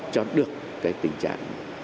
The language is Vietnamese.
cho được cái tình trạng